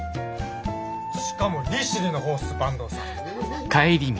しかも利尻のほうっす坂東さん。